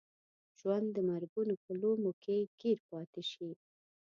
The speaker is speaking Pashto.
ژوند د مرګونو په لومو کې ګیر پاتې شي.